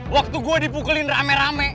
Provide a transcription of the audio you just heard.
waktu gue dipukulin rame rame